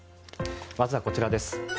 まずはこちらです。